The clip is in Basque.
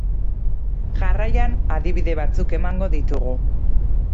Jarraian adibide batzuk emango ditugu.